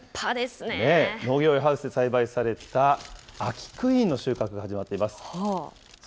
ねえ、農業用ハウスで栽培された安芸クイーンの収穫が始まっています。